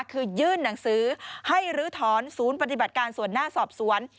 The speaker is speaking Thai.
คือยื่นหนังสือให้ลื้อถอนศูนย์ปฏิบัติการส่วนหน้าสอบสวน